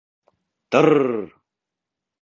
Тр-р-р!